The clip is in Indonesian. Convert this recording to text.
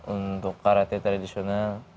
untuk karate tradisional